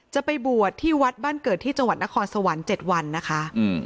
จะไปบวชที่วัดบ้านเกิดที่จังหวัดนครสวรรค์๗วันนะคะ